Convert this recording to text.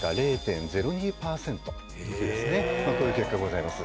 こういう結果ございます。